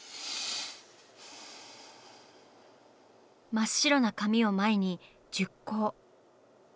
真っ白な紙を前に熟考。